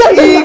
gak gak gak